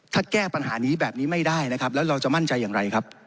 ถ้าแก้ปัญหานี้แบบนี้ไม่ได้นะครับแล้วเราจะมั่นใจอย่างไรครับ